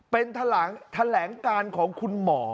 เป็นแถลงการของคุณหมอ